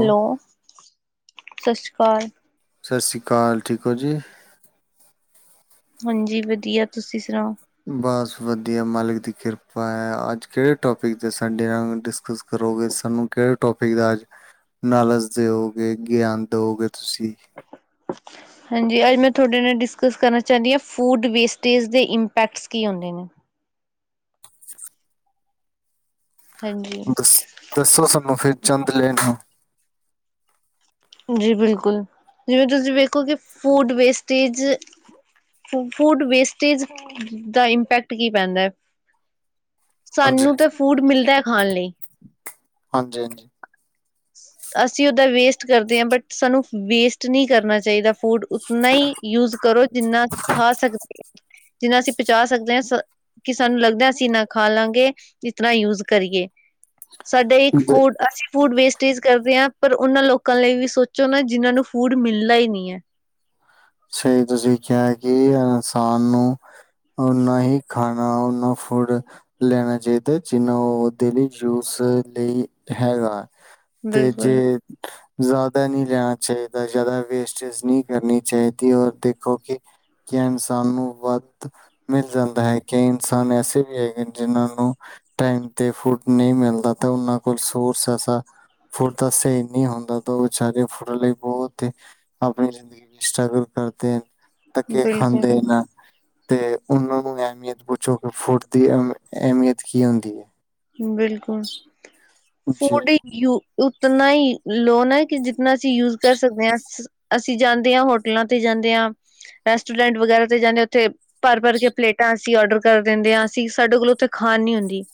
Hello, ਸਾਸਰੀ ਕਾਲ। ਸਾਸਰੀ ਕਾਲ ਠੀਕ ਹੋ ਜੀ। ਹਾਂਜੀ ਵਧੀਆ ਤੁਸੀਂ ਸੁਣਾਓ? ਬਸ ਵਧੀਆ ਮਾਲਿਕ ਦੀ ਕਿਰਪਾ ਹੈ ਅੱਜ ਕਿਹੜੇ ਟੋਪਿਕ ਦੇ ਸਾਡੇ ਨਾਲ ਡਿਸਕਸ ਕਰੋਗੇ ਸਾਨੂੰ ਕਿਹੜੇ ਟੋਪਿਕ ਦਾ ਅੱਜ ਲਾਲਚ ਦਿਓਗੇ ਗਿਆਨ ਦਿਓਗੇ ਤੁਸੀਂ। [unintelligible] ਹਾਂਜੀ ਅੱਜ ਮੈਂ ਤੁਹਾਡੇ ਨਾਲ ਡਿਸਕਸ ਕਰਨਾ ਚਾਨੀ ਹਾਂ ਫੂਡ ਵੇਸਟੇਜ ਦੇ ਇੰਪੈਕਟਸ ਕੀ ਹੁੰਂਦੇ ਨੇ। ਹਾਂਜੀ ਦੱਸ ਦੱਸੋ ਸਾਨੂੰ ਫਿਰ ਚੰਦ ਲੈਣ ਨੂੰ। ਜੀ ਬਿਲਕੁਲ, ਜਿਵੇਂ ਤੁਸੀਂ ਵੇਖੋ ਕਿ ਫੂਡ ਵੇਸਟੇਜ ਫੂਡ ਵੇਸਟੇਜ, ਦਾ ਇੰਪੈਕਟ ਕੀ ਪੈਂਦਾ। ਹਾਂਜੀ ਸਾਨੂੰ ਤਾਂ ਫੂਡ ਮਿਲਦਾ ਹੈ ਖਾਣ ਲਈ। ਹਾਂਜੀ-ਹਾਂਜੀ। ਅਸੀਂ ਓਦਾ ਵੇਸਟ ਕਰਦੇ ਹਾਂ ਬਟ ਸਾਨੂੰ ਵੇਸਟ ਨਹੀਂ ਕਰਨਾ ਚਾਹੀਦਾ। ਫੂੰਡ ਉਤਨਾ ਹੀ ਯੂਜ ਕਰੋ ਜਿੰਨਾ ਖਾ ਸਕਦੇ, ਜਿੰਨਾ ਅਸੀਂ ਪਚਾ ਸਕਦੇ ਹਾਂ। ਕਿ ਸਾਨੂੰ ਲੱਗਦਾ ਅਸੀਂ ਇੰਨਾ ਖਾਲਾਂਗੇ ਇਤਨਾ ਯੂਜ ਕਰੀਏ। ਸਾਡੇ ਇੱਕ ਦ- ਫੂਡ ਅਸੀਂ ਫੂਡ ਵੇਸਟ ਟੇਜ ਕਰਦੇ ਹਾਂ ਪਰ ਉਹਨਾਂ ਲੋਕਾਂ ਲਈ ਵੀ ਸੋਚੋ ਨਾ ਜਿਹਨਾਂ ਨੂੰ ਫੂਡ ਮਿਲਣਾ ਹੀ ਨਹੀਂ ਹੈ। ਸਹੀ ਤੁਸੀਂ ਕਿਹਾ ਕਿ ਇਨਸਾਨ ਨੂੰ ਉਹਨਾ ਹੀ ਖਾਣਾ ਓਨਾ ਫੂਡ ਲੈਣਾ ਚਾਹੀਦਾ ਜਿਨਾ ਉਹ ਡੇਲੀ ਜੂਸ ਲਈ ਹੈਗਾ। ਤੇ ਬਿਲਕੁਲ ਜੇ, ਜ਼ਿਆਦਾ ਨਹੀਂ ਲੈਣਾ ਚਾਹੀਦਾ ਜ਼ਿਆਦਾ ਵੇਸਟਜ ਨਹੀਂ ਕਰਨੀ ਚਾਹੀਦੀ। ਔਰ ਦੇਖੋ ਕਿ ਜੇ ਇਨਸਾਨ ਨੂੰ ਵੱਧ ਮਿਲ ਜਾਂਦਾ ਹੈ ਕਈ ਇਨਸਾਨ ਐਸੇ ਵੀ ਹੈਗੇ ਜਿਹਨਾਂ ਨੂੰ ਟਾਈਮ ਤੇ ਫੂਡ ਨਹੀਂ ਮਿਲਦਾ ਤੇ ਉਹਨਾਂ ਕੋਲ ਸੋਰਸਸ ਫੂਡ ਦਾ ਸਹੀ ਨਹੀਂ ਹੁੰਦਾ ਤਾਂ ਉਹ ਵਿਚਾਰੇ ਫੂਡ ਲਈ ਬਹੁਤ ਹੀ ਆਪਣੀ ਜ਼ਿੰਦਗੀ ਵਿੱਚ ਸਟਰਗਲ ਕਰਦੇ ਆ, ਧੱਕੇ ਬਿਲਕੁਲ ਖਾਂਦੇ ਨਾ। ਤੇ ਉਹਨਾਂ ਨੂੰ ਅਹਿਮੀਅਤ ਪੁੱਛੋ ਕਿ ਫੂਡ ਦੀ ਅਹਿਮੀਅਤ ਕੀ ਹੁੰਦੀ ਹੈ। ਬਿਲਕੁਲ, ਜੀ ਫੂਡ ਯੂ ਉਤਨਾ ਹੀ ਲੋ ਨਾ ਕਿ ਜਿਨਾ ਅਸੀਂ ਯੂਜ ਕਰ ਸਕਦੇ ਹਾਂ। ਅਸੀਂ ਜਾਂਦੇ ਹਾਂ ਹੋਟਲਾਂ ਤੇ ਜਾਂਦੇ ਹਾਂ, ਰੈਸਟੋਰੈਂਟ ਵਗੈਰਾ ਤੇ ਜਾਂਦੇ ਆਂ ਉੱਥੇ ਭਰ-ਭਰ ਕੇ ਪਲੇਟਾਂ ਅਸੀਂ ਔਡਰ ਕਰ ਦਿੰਦੇ ਆਂ, ਅਸੀਂ ਸਾਡੇ ਕੋਲੋਂ ਉੱਥੇ ਖਾਣ ਨੀ ਹੁੰਦੀ।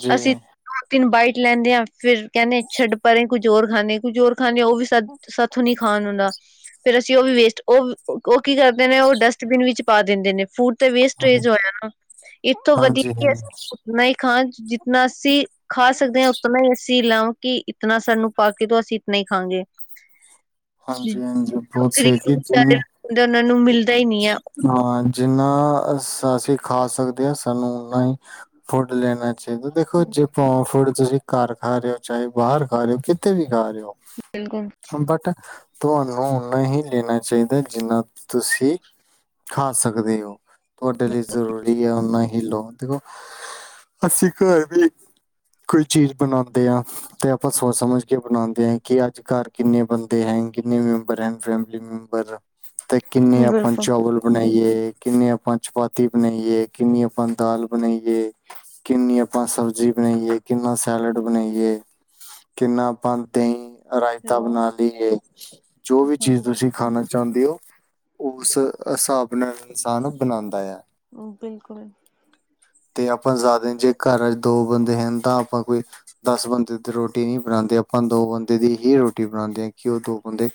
ਜੀ ਅਸੀਂ ਦੋ ਤਿੰਨ ਬਾਈਟ ਲੈਂਦੇ ਆ, ਫ਼ਿਰ ਕਹਿੰਨੇ ਆਂ ਛੱਡ ਪਰਾਂ ਕੁੱਝ ਹੋਰ ਖਾਂਨੇ ਆਂ, ਕੁੱਝ ਹੋਰ ਖਾਂਨੇ ਆਂ ਉਹ ਵੀ ਸਾ ਸਾਥੋਂ ਨਹੀਂ ਖਾਣ ਹੁੰਦਾ। ਫੇਰ ਅਸੀਂ ਉਹ ਵੀ ਵੇਸਟ, ਉਹ-ਉਹ ਕੀ ਕਰਦੇ ਨੇ ਉਹ ਡਸਟਬਿਨ ਵਿੱਚ ਪਾ ਦਿੰਦੇ ਨੇ ਫੂਡ। ਹਾਂ- ਵੇਸਟਜ ਹੋਇਆ ਨਾ, ਇਥੋਂ ਵਧੀਆ ਕਿ ਹਾਂਜੀ ਅਸੀਂ ਓਨਾ ਹੀ ਖਾਣ ਚ ਜਿਤਨਾ ਅਸੀਂ ਖਾ ਸਕਦੇ ਹਾਂ ਉਤਨਾ ਹੀ ਅਸੀਂ ਲਓ, ਕਿ ਇਤਨਾ ਸਾਨੂੰ ਪਾ ਕੇ ਦੋ, ਅਸੀਂ ਇਤਨਾ ਹੀ ਖਾਂਗੇ। ਹਾਂਜੀ-ਹਾਂਜੀ ਬਹੁਤ ਸਹੀ ਗਰੀਬ ਲੋਕ ਕਿ ਹੁੰਦੇ ਜਿੰਨ ਵਿਚਾਰੇ ਉਹਨਾਂ ਨੂੰ ਮਿਲਦਾ ਈ ਨੀ ਐ। ਹਾਂ ਜਿੰਨਾ ਅਸੀਂ ਖਾ ਸਕਦੇ ਆਂ, ਸਾਨੂੰ ਓਨਾ ਹੀ ਫੂਡ ਲੈਣਾ ਜੇ ਤਾਂ ਦੇਖੋ ਜੇ ਫੂਡ ਤੁਸੀਂ ਘਰ ਖਾ ਰਹੇ ਹੋ, ਚਾਹੇ ਬਾਹਰ ਖਾ ਰਹੇ ਹੋ, ਕਿਤੇ ਵੀ ਖਾ ਰਹੇ ਹੋ ਬਿਲਕੁਲ। ਬਟ ਤੁਹਾਨੂੰ ਓਨਾ ਹੀ ਲੈਣਾ ਚਾਹੀਦਾ, ਜਿੰਨਾ ਤੁਸੀਂ ਖਾ ਸਕਦੇ ਹੋ ਤੁਹਾਡੇ ਲਈ ਜ਼ਰੂਰੀ ਐ, ਓਨਾ ਹੀ ਲੋ। ਦੇਖੋ ਅਸੀ ਘਰ ਵੀ ਕੋਈ ਚੀਜ਼ ਬਣਾਂਦੇ ਆਂ, ਤੇ ਆਪਾਂ ਸੋਚ ਸਮਝ ਕੇ ਬਣਾਂਦੇ ਹਾਂ, ਕਿ ਅੱਜ ਘਰ ਕਿੰਨੇ ਬੰ ਬੰਦੇ ਐਂ, ਕਿੰਨੇ ਮੈਂਬਰ ਐਂ ਫੈਮਲੀ ਮੈਂਬਰ ਤੇ ਕਿੰਨੇ ਆਪਾਂ ਬਿਲਕੁਲ ਚੋਵਲ ਬਣਾਈਏ ਕਿੰਨੀ ਆਪਾਂ ਚਪਾਤੀ ਬਣਾਈਏ, ਕਿੰਨੀ ਆਪਾਂ ਦਾਲ ਬਣਾਈਏ। ਕਿੰਨੀ ਆਪਾਂ ਸਬਜ਼ੀ ਬਣਾਈਏ, ਕਿੰਨਾ ਸੈਲਡ ਬਣਾਈਏ। ਕਿੰਨਾ ਆਪਾਂ ਦਹੀਂ ਰਾਇਤਾ ਹੈਲੋ ਬਣਾ ਲਈਏ, ਜੋ ਵੀ ਚੀਜ਼ ਹਾਂਜੀ ਤੁਸੀਂ ਖਾਣਾ ਚਾਹੁੰਦੇ ਹੋ, ਉਸ ਹਿਸਾਬ ਨਾਲ ਇਨਸਾਨ ਬਣਾਂਦਾ ਆ। ਬਿਲਕੁਲ। ਤੇ ਆਪਾਂ ਜ਼ਾਦੇ ਨੀ, ਜੇ ਘਰ ਚ ਦੋ ਬੰਦੇ ਹਨ, ਤਾਂ ਆਪਾਂ ਕੋਈ ਦਸ ਬੰਦੇ ਦੀ ਰੋਟੀ ਨਹੀਂ ਬਣਾਂਦੇ, ਆਪਾਂ ਦੋ ਬੰਦੇ ਦੀ ਹੀ ਰੋਟੀ ਬਣਾਂਦੇ ਆਂ। ਕਿ ਉਹ ਦੋ ਬੰਦੇ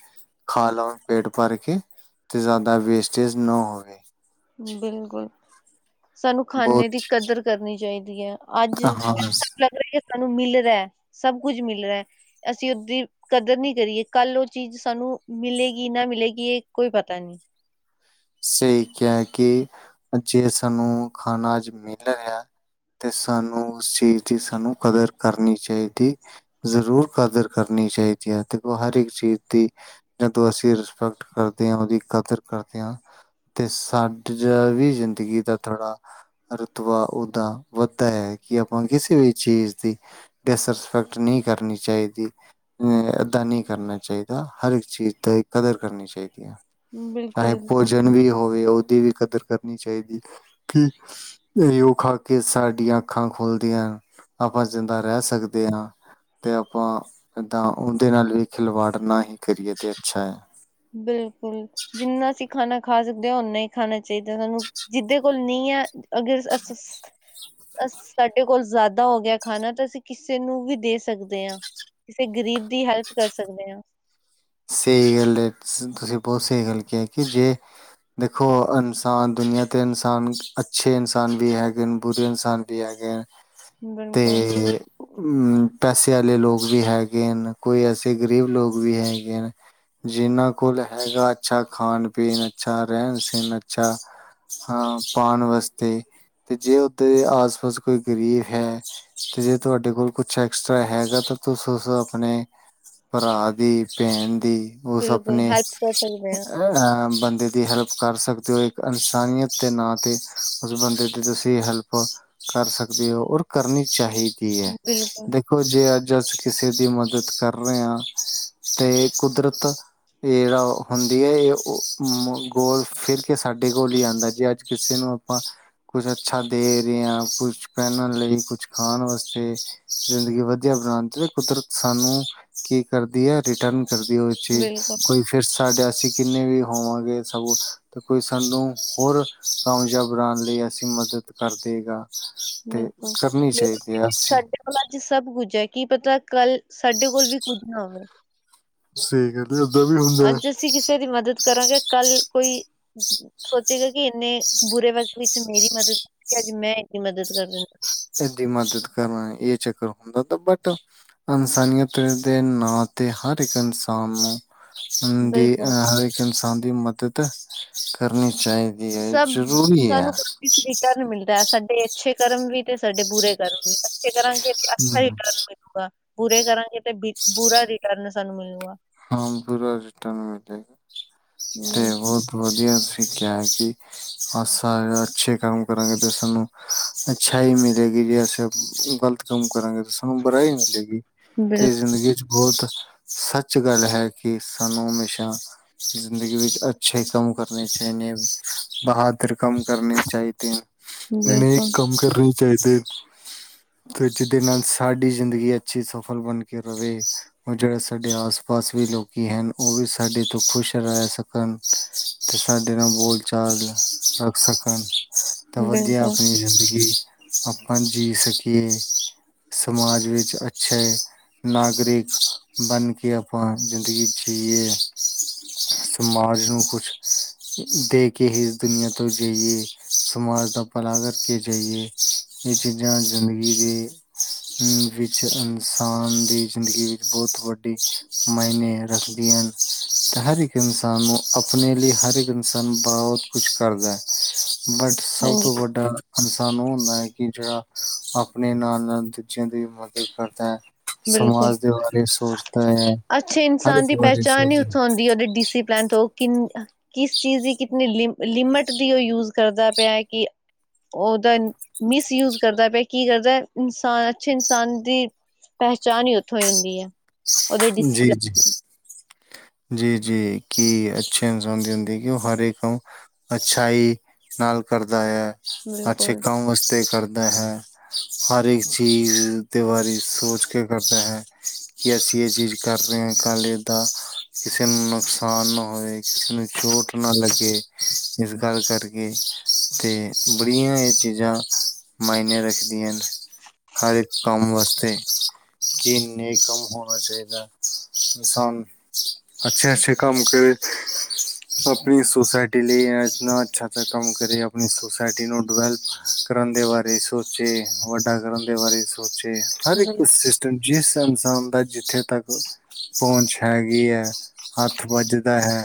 ਖਾ ਲਓ ਪੇਟ ਭਰ ਕੇ, ਤੇ ਜ਼ਿਆਦਾ ਵੇਸਟੇਜ ਨਾ ਹੋਵੇ। ਬਿਲਕੁਲ ਸਾਨੂੰ ਖਾਨੇ ਦੀ ਬਹੁਤ ਕਦਰ ਕਰਨੀ ਚਾਹੀਦੀ ਐ। ਅੱਜ ਹਾਂ ਸਾਨੂੰ ਲੱਗ ਰਿਹਾ ਕਿ ਸਾਨੂੰ ਮਿਲ ਰਿਹਾ, ਸਭ ਕੁੱਝ ਮਿਲ ਰਿਹਾ, ਅਸੀਂ ਓਦੀ ਕਦਰ ਨਹੀਂ ਕਰੀਏ, ਕੱਲ ਉਹ ਚੀਜ਼ ਸਾਨੂੰ ਮਿਲੇਗੀ ਨਾ ਮਿਲੇਗੀ, ਇਹ ਕੋਈ ਪਤਾ ਨਹੀ। ਸਹੀ ਕਿਹਾ ਕਿ ਜੇ ਸਾਨੂੰ ਖਾਣਾ ਅੱਜ ਮਿਲ ਰਿਹਾ ਤੇ ਸਾਨੂੰ ਉਸ ਚੀਜ਼ ਦੀ ਸਾਨੂੰ ਕਦਰ ਕਰਨੀ ਚਾਹੀਦੀ। ਜ਼ਰੂਰ ਕਦਰ ਕਰਨੀ ਚਾਹੀਦੀ ਆ, ਦੇਖੋ ਹਰ ਇੱਕ ਚੀਜ਼ ਦੀ। ਜਦੋਂ ਅਸੀਂ ਰਿਸਪੈਕਟ ਕਰਦੇ ਆ, ਉਹਦੀ ਕਦਰ ਕਰਦੇ ਆ। ਤੇ ਸਾਡਾ ਵੀ ਜ਼ਿੰਦਗੀ ਦਾ ਥੋੜ੍ਹਾ ਰੁਤਵਾ ਓਦਾ ਵੱਧਦਾ ਹੈ ਕਿ ਆਪਾਂ ਕਿਸੇ ਵੀ ਚੀਜ਼ ਦੀ ਡਿਸਰਿਸਪੈਕਟ ਨਹੀਂ ਕਰਨੀ ਚਾਹੀਦੀ। ਨਈ ਏਦਾਂ ਨਈ ਕਰਨਾ ਚਾਹੀਦਾ, ਹਰ ਇੱਕ ਚੀਜ਼ ਦੀ ਕਦਰ ਕਰਨੀ ਚਾਹੀਦੀ ਐ। ਬਿਲਕੁਲ ਜਨ ਵੀ ਹੋਵੇ ਓਦੀ ਵੀ ਕਦਰ ਕਰਨੀ ਚਾਈਦੀ। ਕੀ ਏਈਓ ਖਾ ਕੇ ਸਾਡੀਆਂ ਅੱਖਾਂ ਖੁਲਦੀਆਂ ਆਪਾਂ ਜਿੰਦਾ ਰੈ ਸਕਦੇ ਹਾਂ। ਤੇ ਆਪਾਂ ਏਦਾਂ ਉਹਦੇ ਨਾਲ ਵੀ ਖਿਲਵਾੜ ਨਾ ਹੀ ਕਰੀਏ, ਤੇ ਅੱਛਾ ਐ। ਬਿਲਕੁਲ, ਜਿੰਨਾ ਅਸੀਂ ਖਾਣਾ ਖਾ ਸਕਦੇ ਆਂ ਓਨਾ ਹੀ ਖਾਣਾ ਚਾਹੀਦਾ ਸਾਨੂੰ। ਜਿਹਦੇ ਕੋਲ- ਨੀ ਆ, ਅਗਰ ਅਸ -ਅਸ- ਅਸ ਸਾਡੇ ਕੋਲ ਜਾਦਾ ਹੋ ਗਿਆ ਖਾਣਾ ਤੇ ਅਸੀਂ ਕਿਸੇ ਨੂੰ ਵੀ ਦੇ ਸਕਦੇ ਆਂ। ਕਿਸੇ ਗ਼ਰੀਬ ਦੀ ਹੈਲਪ ਕਰ ਸਕਦੇ ਆਂ। ਸੇਈ ਗੱਲ ਏ ਤੁਸੀ ਬੋਤ ਸ‌ਈ ਗੱਲ ਕਿਆ ਕਿ ਜੇ ਦੇਖੋ ਅਨਸਾਨ ਦੁਨੀਆਂ ਤੇ ' ਅਨਸਾਨ ਅੱਛੇ ਇਨਸਾਨ ਵੀ ਹੈਗੇ ਨੇ ਬੁਰੇ ਇਨਸਾਨ ਤੇ ਹੈਗਾ ਬਿਲਕੁਲ ਤੇ ਪੈਸੇ ਆਲੇ ਲੋਕ ਵੀ ਹੈਗੇ ਹਨ। ਕੋਈ ਐਸੇ ਗਰੀਬ ਲੋਗ ਵੀ ਹੈਗੇ ਹਨ। ਜਿੰਨਾਂ ਕੋਲ ਹੈਗਾ ਅੱਛਾ ਖਾਣ-ਪੀਣ, ਅੱਛਾ ਰਹਿਣ-ਸਹਿਣ, ਅੱਛਾ ਹਾਂ, ਪਾਣ ਵਾਸਤੇ ਤੇ ਜੇ ਓਦੇ ਆਸ -ਪਾਸ ਕੋਈ ਗਰੀ ਹੈ। ਤੇ ਜੇ ਤੁਹਾਡੇ ਕੋਲ ਕੁਛ ਐਕਸਟਰਾ ਹੈਗਾ, ਤਾਂ ਤੁਸੀ ਉਸ ਆਪਣੇ ਭਰਾ ਦੀ ਭੈਣ ਦੀ ਉਸ ਬਿਲਕੁਲ ਅਪਣੇੇ ਹੈਲਪ ਕਰ ਸਕਦੇ ਹਾਂ ਐ ਬੰਦੇ ਦੀ ਹੈਲਪ ਕਰ ਸਕਦੇ ਓ ਇੱਕ ਇਨਸਾਨੀਅਤ ਦੇ ਨਾਂ 'ਤੇ ਉਸ ਬੰਦੇ ਤੁਸੀਂ ਹੈਲਪ ਕਰ ਸਕਦੇ ਓ ਔਰ ਕਰਨੀ ਚਾਹੀ ਕੀ ਐ। ਬਿਲਕੁਲ ਦੇਖੋ ਜੇ ਅੱਜ ਅਸੀ ਕਿਸੇ ਦੀ ਮਦਦ ਕਰ ਰੇ ਆਂ ਤੇ ਕੁਦਰਤ ਇਹ ਜਿਹੜਾ ਹੁੰਦੀ ਏ, ਇਹ ਗੋਲ ਫਿਰ ਕੇ ਸਾਡੇ ਕੋਲ ਹੀ ਆਂਦਾ, ਜੇ ਅੱਜ ਕਿਸੇ ਨੂੰ ਆਪਾਂ, ਕੁਛ ਅੱਛਾ ਦੇ ਰਹੇ ਆਂ। ਕੁਛ ਪਹਿਨਣ ਲਈ, ਕੁਛ ਖਾਣ ਵਾਸਤੇ। ਜ਼ਿੰਦਗੀ ਵਧੀਆ ਬਣਾਣ ਦੇਵੇ, ਕੁਦਰਤ ਸਾਨੂੰ ਕੀ ਕਰਦੀ ਐ ਰਿਟਰਨ ਕਰ ਦਿਓ ਚੀਜ਼ ਬਿਲਕੁਲ ਕੋਈ ਫਿਰ ਸਾਡੇ ਅਸੀਂ ਕਿੰਨੇ ਵੀ ਹੋਵਾਂਗੇ ਸਓ ਤੇ ਕੋਈ ਸਾਨੂੰ ਹੋਰ ਕਾਮਯਾਬ ਬਣਾਣ ਲਈ, ਅਸੀਂ ਮਦਦ ਕਰਦੇਗਾ। ਤੇ ਕਰਨੀ ਚਾਹੀਦੀ ਅਸੀਂ। ਹੁਣ ਅੱਜ ਸਭ ਕੁੱਝ ਐ ਕੀ ਪਤਾ ਕੱਲ ਸਾਡੇ ਕੋਲ ਵੀ ਕੁੱਝ ਨਾ ਹੋਵੇ। ਸਈ ਗੱਲ ਤੇ ਓਦਾਂ ਵੀ ਹੋਊ। ਅੱਜ ਅਸੀ ਕਿਸੇ ਦੀ ਮਦਦ ਕਰਾਂਗੇ ਕੱਲ ਕੋਈ ਸੋਚੇਗਾ ਕਿ ਏਨੇ ਬੁਰੇ ਵਕਤ ਵਿੱਚ ਮੇਰੀ ਮਦਦ ਕੀਤੀ ਅੱਜ ਮੈਂ ਏਦੀ ਮਦਦ ਕਰ ਦਿੰਦਾ। ਏਦੀ ਮਦਦ ਕਰਨਾ ਇਹ ਚੱਕਰ ਹੁੰਦਾ, ਤਾਂ ਬਟ ਅਨਸਾਨੀਅਤ ਦੇ ਨਾਂ 'ਤੇ ਹਰ ਇੱਕ ਇਨਸਾਨ ਨੂੰ ਹੁਣ ਦੀ ਬਿਲਕੁਲ ਹਰ ਇੱਕ ਇਨਸਾਨ ਦੀ ਮਦਦ ਕਰਨੀ ਚਾਹੀ ਸਭ ਸਾਨੂੰ ਕੁ ਸਲੀਕ ਮਿਲਦਾ ਨਾ ਸਾਡੇ ਅੱਛੇ ਕਰਮ ਵੀ ਤੇ ਸਾਡੇ ਬੁਰੇ ਕਰਮ ਵੀ, ਅੱਛੇ ਕਰਾਂਗੇ ਤੇ ਅੱਛਾ ਹੀ ਕਰਨਗੇ। ਪੂਰੇ ਕਰਾਂਗੇ ਤੇ ਪੂਰਾ ਰਿਟਰਨ ਸਾਨੂੰ ਮਿਲੂਗਾ। ਹਾਂ, ਪੂਰਾ ਰਿਟਰਨ ਮਿਲੇਗਾ ਤੇ ਬਿਲਕੁਲ ਬੋਹਤ ਵਧੀਆ ਤੁਸੀਂ ਕਿਹਾ ਸੀ ਅਸਾ ਅੱਛੇ ਕੰਮ ਕਰਾਂਗੇ ਤੇ ਸਾਨੂੰ ਅੱਛਾਈ ਮਿਲੇਗੀ ਜੇ ਅਸੀ ਗ਼ਲਤ [unintelligible] ਕਰਾਂਗੇ ਤੇ ਸ ਬੁਰਾਈ ਮਿਲੇਗੀ ਤੇ ਜ਼ਿੰਦਗੀ ਚ ਬਹੁਤ ਸੱਚ ਸਚ ਗੱਲ ਹੈ ਕਿ ਸਾਨੂੰ ਹਮੇਸ਼ਾ ਜ਼ਿੰਦਗੀ ਵਿੱਚ ਅੱਛੇ ਕੰਮ ਕਰਨੇ ਚਾਏ ਨੇ। ਬਹਾਦਰ ਕੰਮ ਕਰਨੇ ਚਾਈਦੇਨ। ਨੇਕ ਬਿਲਕੁਲ ਕੰਮ ਕਰਨੇ ਚਾਹੀਦੇ। ਤੇ ਜਿਹਦੇ ਨਾਲ ਸਾਡੀ ਜ਼ਿੰਦਗੀ ਅੱਛੀ, ਸਫਲ ਬਣ ਕੇ ਰਵੇ। ਓ ਜੇੜਾ ਸਾਡੇ ਆਸ- ਪਾਸ ਵੀ ਲੋਕੀ ਹੈਨ ਓਵੀ ਸਾਡੇ ਤੋਂ ਖੁਸ਼ ਰੈ ਸਕਣ ਤੇ ਸਾਡੇ ਨਾਲ ਬੋਲ ਚਾਲ ਰੱਖ ਸਕਣ, ਤਾਂ ਵਧੀਆ ਬਿਲਕੁਲ ਆਪਣੀ ਜ਼ਿੰਦਗੀ ਆਪਾਂ ਜੀ ਸਕੀਏ। ਸਮਾਜ ਵਿੱਚ, ਅੱਛੇ ਨਾਗਰਿਕ ਬਣ ਕੇ ਆਪਾਂ, ਜ਼ਿੰਦਗੀ ਜੀਏ ਸਮਾਜ ਨੂੰ ਕੁਛ ਦੇ ਕੇ ਹੀ ਇਸ ਦੁਨੀਆਂ ਤੋਂ ਜਈਏ ਸਮਾਜ ਦਾ ਭਲਾ ਕਰਕੇ ਜਈਏ। ਏ ਚੀਜ਼ਾਂ ਜ਼ਿੰਦਗੀ ਦੇ। ਵਿੱਚ ਇਨਸਾਨ ਦੀ ਜ਼ਿੰਦਗੀ ਵੀ ਬਹੁਤ ਵੱਡੀ ਮਾਈਨੇ ਰੱਖਦੀਆਂ ਨ। ਤੇ ਹਰ ਇੱਕ ਇਨਸਾਨ ਨੂੰ ਆਪਣੇ ਲਈ ਹਰੇਕ ਇਨਸਾਨ ਬਹੁਤ ਕੁਛ ਕਰਦਾ। ਬਟ, ਸਭ ਤੋਂ ਹਾਂਜੀ ਵੱਡਾ- ਇਨਸਾਨ ਓ ਹੁੰਦਾ ਹੈ ਕਿ ਜਿਹੜਾ ਆਪਣੇ ਨਾਲ, ਨਾਲ ਦੂਜਿਆਂ ਦੀ ਮਦਦ ਕਰਦਾ ਏ। ਸਮਾਜ ਦੇ ਬਾਰੇ ਸੋਚਦਾ ਹੈ। ਅੱਛੇ, ਹਰ ਇਨਸਾਨ ਇੱਕ ਦੀ ਬਾਰੇ ਪਹਿਚਾਣ ਸੋਚ ਹੀ ਉਥੋ ਹੁਂਦੀ ਉਹਦੇ ਡੀਸੀ ਪਲੈ ਤੋਂ ਕਿੰਨ ਕਿਸ ਚੀਜ਼ ਦੀ, ਕਿਤਨੀ ਲਿ ਲਿਮਟ ਦੀ ਉਹ ਯੂਜ ਕਰਦਾ ਪਿਆ ਹੈ ਕਿ ਉਹਦਾ ਮਿਸਯੂਜ ਕਰਦਾ ਪਿਆ, ਕੀ ਕਰਦਾ ਇਨਸਾਨ ਅੱਛੇ ਇਨਸਾਨ ਦੀ ਪਹਿਚਾਨ ਹੀ ਉੱਥੋਂ ਹੁੰਦੀ ਹੈ। ਉਹਦੇ ਜੀ ਡਿਸਿਪਲਨ। ਜੀ ਜੀ, ਜੀ ਕੀ ਅੱਛੇ ਇਨਸਾਨ ਦੀ ਹੁੰਦੀ ਕਿ ਉਹ ਹਰ ਏਕ ਅੱਛਾਈ, ਨਾਲ ਕਰਦਾ ਐ। ਅੱਛੇ ਬਿਲਕੁਲ ਕੰਮ ਵਾਸਤੇ ਕਰਦਾ ਹੈ। ਹਰ ਇੱਕ, ਚੀਜ਼ ਦੇ ਬਾਰੇ ਸੋਚ ਕੇ ਕਰਦਾ ਹੈ ਕਿ ਅਸੀਂ ਏ ਚੀਜ਼ ਕਰ ਰੇ ਆਂ ਕੱਲ ਏਦਾ ਕਿਸੇ ਨੂੰ ਨੁਕਸਾਨ ਨਾ ਹੋਏ। ਕਿਸੇ ਨੂੰ ਚੋਟ ਨਾ ਲੱਗੇ। ਇਸ ਗੱਲ ਕਰਕੇ ਤੇ ਬੜੀਆਂ ਏ ਚੀਜ਼ਾਂ ਮਾਇਨੇ ਰੱਖਦੀਆਂ ਨ ਹਰ ਇਕ ਕੰਮ ਵਾਸਤੇ। ਕੀ ਨੇਕ ਕੰਮ ਹੋਣ ਹੋਣਾ ਚਾਹੀਦਾ ਇਨਸਾਨ ਅੱਛੇ, ਅੱਛੇ ਕੰਮ ਕਰੇ ਆਪਣੀ ਸੋਸਾਇਟੀ ਲਈ ਇਨਾ ਅੱਛਾ, ਅਛਾ ਕੰਮ ਕਰੇ ਅਪ ਅਪਨੀ ਸੋਸਾਇਟੀ ਨੂੰ ਡਵੈਲਪ ਕਰਨ ਦੇ ਬਾਰੇ ਸੋਚੇ ਵੱਡਾ ਕਰਨ ਦੇ ਬਾਰੇ ਸੋਚੇ। ਹਰ ਇੱਕ ਬਿਲਕੁਲ ਸਿਸਟਮ ਜਿਸ ਇਨਸਾਨ ਦਾ ਜਿੱਥੇ ਤੱਕ ਪੌਂਚ ਹੈਗੀ ਐ। ਹੱਥ, ਵੱਜਦਾ ਹੈ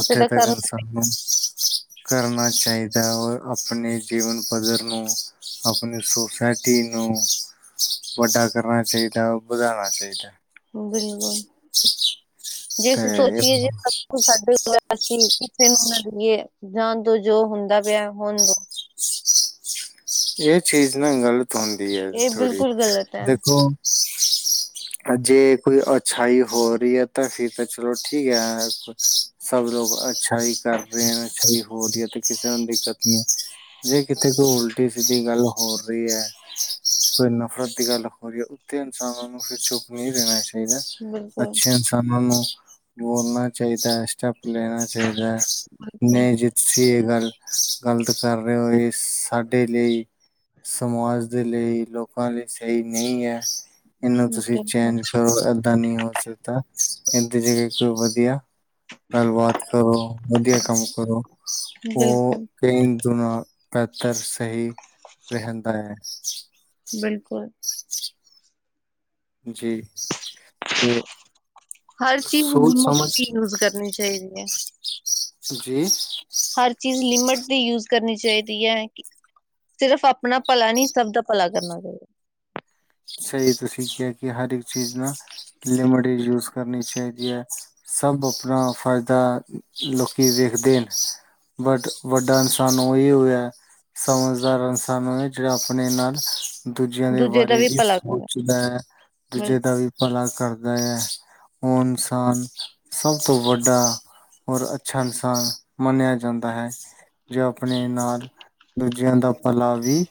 ਅਸੀਂ ਤਾਂ ਕਰਨਾ, ਤੱਕਨ ਸਾਨੂੰ ਕਰਨਾ ਚਾਹੀਦਾ ਔਰ ਆਪਣੇ ਜੀਵਨ ਪੱਧਰ ਨੂੰ ਆਪਣੀ ਸੁੋਸਾਇਟੀ ਨੂੰ ਵੱਡਾ ਕਰਨਾ ਚਾਹੀਦਾ, ਵਧਾਉਣਾ ਚਾਹੀਦਾ। ਬਿਲਕੁਲ, ਜੇ ਅਸੀਂ ਤੇ ਸੋਚੀਏ ਜੇ ਸਾਡੇ ਅਸੀਂ ਕਿਸੇ ਨੂੰ ਨਾ ਦੇਈਏ, ਜਾਣ ਤੋਂ ਜੋ ਹੁੰਦਾ ਪਿਆ ਹੋਣ ਦੋ। ਇਹ ਚੀਜ਼ ਨਾ ਗਲਤ ਹੁੰਦੀ ਹੈ ਇਹ ਥੋੜ੍ਹੀ, ਬਿਲਕੁਲ ਗ਼ਲਤ ਹੈ। ਦੇਖੋ [inaudible] ਜੇ ਕੋਈ ਅੱਛਾਈ ਹੋ ਰੀ ਆ ਤਾਂ ਫਿਰ ਤਾਂ ਚਲੋ ਠੀ ਆ। ਸਭ ਲੋਕ ਅੱਛਾਾਈ ਕਰਦਿਆਂ ਅੱਛਾਈ ਹੋ ਰੀ ਐ ਤੇ ਕਿਸੇ ਨੂੰ ਦਿੱਕਤ ਨੀ। ਜੇ ਕਿਥੇ ਕੋਈ ਉਲਟੀ, ਸਿੱਧੀ ਗੱਲ ਹੋ ਰਈ ਹੈ। ਕੋਈ ਨਫ਼ਰਤ ਦੀ ਗੱਲ ਹੋ ਰੀ ਐ ਓਥੇ ਇਨਸਾਨਾਂ ਨੂੰ ਫਿਰ ਚੁੱਪ ਨੀ ਰੈਨਾ ਚਾਈ- ਚਾਹੀਦਾ, ਬਿਲਕੁਲ ਅੱਛੇ ਇਨਸਾਨਾਂ ਨੂੰ ਬੋਲਣਾ ਚਾਹੀਦਾ। ਚੱਪ ਲੈਣਾ ਚਾਹੀਦਾ ਬਿਲਕੁਲ ਨਈ ਜਿਸਸੀ ਇਹ ਗੱਲ ਗਲਤ ਕਰ ਰਹੇ ਹੋ ਇਸ ਡੇਲੀ, ਸਮਾਜ ਦੇ ਲਈ, ਲੋਕਾਂ ਲਈ ਸਈ ਨਈ ਐ। ਏਨੂੰ ਤੁਸੀਂ ਚੈਂਜ ਬਿਲਕੁਲ ਕਰੋ ਏਦਾਂ ਨਈ ਹੋ ਸਕਦਾ। ਏਨਦੀ ਜ੍ਹਗਾ ਕੋਈ ਵਧੀਆ ਗੱਲਬਾਤ ਕਰੋ, ਵਧੀਆ ਕੰਮ ਕਰੋ। ਓ ਬਿਲਕੁਲ ਕਈ ਗੁਣਾ, ਬੇਹਤਰ ਸਹੀ ਰਹਿੰਦਾ ਹੈ। ਬਿਲਕੁਲ। ਜੀ। ਹਰ ਚੀਜ਼, ਸੋਚ ਮੁਕਤ ਸਮਝ ਹੀ ਯੂਜ ਕਰਨੀ ਚਾਹੀਦੀ ਹੈ। ਜੀ ਹਰ ਚੀਜ਼ ਲਿਮਿਟ ਦੀ ਯੂਜ ਕਰਨੀ ਚਾਹੀਦੀ ਹੈ ਕਿ ਸਿਰਫ਼, ਆਪਣਾ ਭਲਾ ਨਹੀਂ ਸਭ ਦਾ ਭਲਾ ਕਰਨਾ ਚਾਹੀਦਾ। ਸਹੀ, ਤੁਸੀਂ ਕਿਹਾ ਕਿ ਹਰ ਇੱਕ ਚੀਜ਼ ਨਾ ਲਿਮਟ ਵਿੱਚ ਯੂਜ ਕਰਨੀ ਚਾਹੀਦੀ ਹੈ। ਸਭ, ਆਪਣਾ ਫਾਇਦਾ ਲੋਕੀ ਵੇਖਦੇ ਨੇ। ਬਟ, ਵੱਡਾ ਇਨਸਾਨ ਉਹੀ ਹੋਇਆ। ਸਮਝਦਾਰ ਇਨਸਾਨ ਓ ਹੈ ਜਿਹੜਾ ਆਪਣੇ ਨਾਲ ਦੂਜਿਆਂ ਦੇ ਦੂਜੇ ਦਾ ਬਾਰੇ ਵੀ ਭਲਾ ਕਰਨਾ ਸੋਚਦਾ ਹੈ, ਦੂਜੇ ਬਿਲਕੁਲ ਦਾ ਵੀ ਭਲਾ ਕਰਦਾ ਹੈ ਉਹ ਇਨਸਾਨ ਸਭ ਤੋਂ ਵੱਡਾ ਔਰ ਅੱਛਾ ਇਨਸਾਨ ਮੰਨਿਆ ਜਾਂਦਾ ਹੈ। ਜੋ ਆਪਣੇ ਨਾਲ ਦੂਜਿਆਂ ਦਾ ਭਲਾ ਵੀ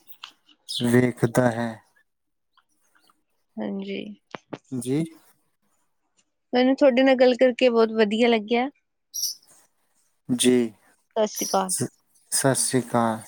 ਵੇਖਦਾ ਹੈ। ਹਾਂਜੀ। ਜੀ। ਮੈਨੂੰ ਤੁਹਾਡੇ ਨਾਲ ਗੱਲ ਕਰਕੇ ਬਹੁਤ ਵਧੀਆ ਲੱਗਿਆ। ਜੀ, ਸਤਿ ਸ਼੍ਰੀ ਅਕਾਲ। ਸਤਿ ਸ਼੍ਰੀ ਅਕਾਲ।